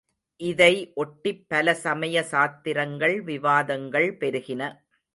இதை ஒட்டிப் பல சமய சாத்திரங்கள் விவாதங்கள் பெருகின.